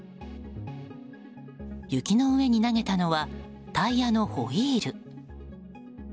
雪の上に投げたのはタイヤのホイール。